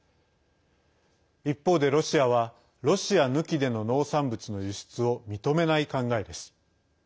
一方で、ロシアはロシア抜きでの農産物の輸出を認めない考えです。